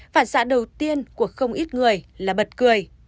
phản xạ đầu tiên của không ít người là bật cười